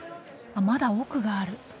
あっまだ奥がある。